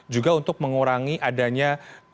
juga untuk mengurangi adanya